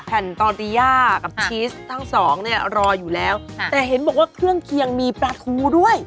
แผ่นตอตีย่ากับชีสทั้งสองเนี่ยรออยู่แล้วแต่เห็นบอกว่าเครื่องเคียงมีปลาทูด้วย